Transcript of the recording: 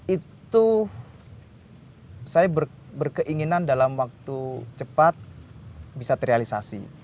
itu saya berkeinginan dalam waktu cepat bisa terrealisasi